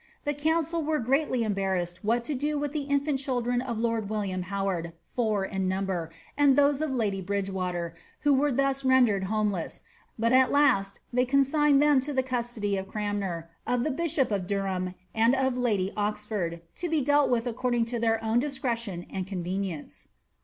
The coundl were greatly embarrassed what to do with the inbnt children of loid William Howard, fotir in number, and those of lady Bridgawater, who were thus rendered homeless, but at last they conaignea tham to the custody of Cranmer, of the bishop of Durham, and of kdy Oidford, '^lo l>e dealt with according to their own discretion and coD¥«iiettca."